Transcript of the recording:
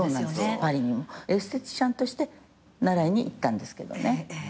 エステティシャンとして習いに行ったんですけどね。